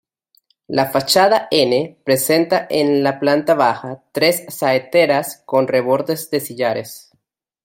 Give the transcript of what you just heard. La fachada N presenta en la planta baja tres saeteras con rebordes de sillares.